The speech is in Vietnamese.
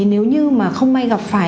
nếu như không may gặp phải